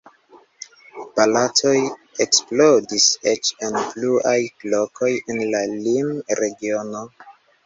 Bataloj eksplodis eĉ en pluaj lokoj en la limregiono.